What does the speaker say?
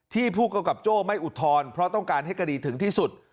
ผู้กำกับโจ้ไม่อุทธรณ์เพราะต้องการให้คดีถึงที่สุด